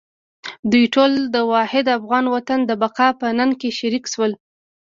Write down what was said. دوی ټول د واحد افغان وطن د بقا په ننګ کې شریک شول.